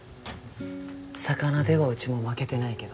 魚ではうちも負けてないけど。